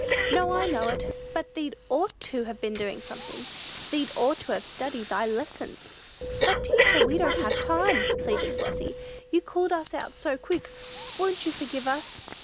"No, I know it; but thee'd ought to have been doing something; thee'd ought to have studied thy lessons." "But, teacher, we didn't have time," pleaded Flossy; "you called us out so quick! Won't you forgive us!"